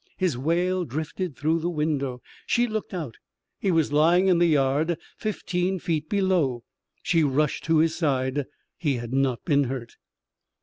His wail drifted through the window. She looked out. He was lying in the yard, fifteen feet below. She rushed to his side. He had not been hurt.